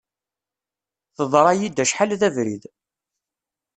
Teḍra-yi-d acḥal d abrid.